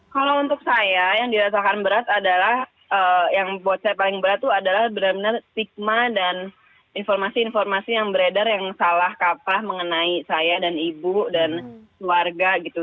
kalau untuk saya yang dirasakan berat adalah yang buat saya paling berat itu adalah benar benar stigma dan informasi informasi yang beredar yang salah kaprah mengenai saya dan ibu dan keluarga gitu